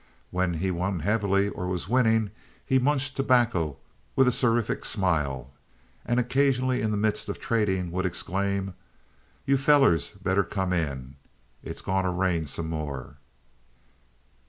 When he won heavily or was winning he munched tobacco with a seraphic smile and occasionally in the midst of trading would exclaim: "You fellers better come in. It's a gonta rain some more."